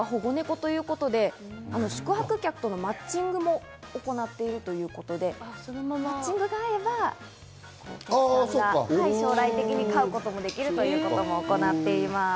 しかも８０匹のほとんどが保護猫ということで、宿泊客とのマッチングも行っているということで、マッチングが合えば、将来的に飼うこともできるということも行っています。